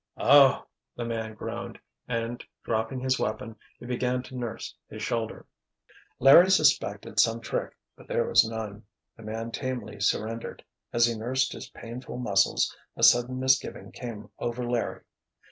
"Oh!" the man groaned, and dropping his weapon, he began to nurse his shoulder. Larry suspected some trick, but there was none. The man tamely surrendered. As he nursed his painful muscles, a sudden misgiving came over Larry.